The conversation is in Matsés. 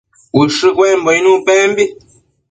ushë cuembo icnuc pembi